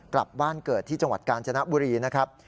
กลับบ้านเกิดที่จังหวัดกาญจนบุรีนะครับ